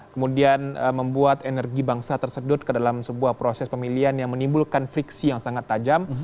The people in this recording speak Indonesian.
kemudian membuat energi bangsa tersedut ke dalam sebuah proses pemilihan yang menimbulkan friksi yang sangat tajam